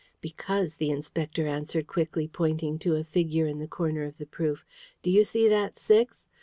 "Because," the Inspector answered quickly, pointing to a figure in the corner of the proof, "do you see that six?